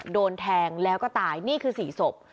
โดนแทงแล้วก็ตายนี่คือ๔ศพ